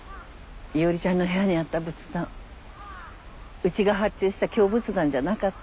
伊織ちゃんの部屋にあった仏壇うちが発注した京仏壇じゃなかった。